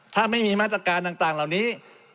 ถ้าไม่มีมาตรการต่างเหล่านี้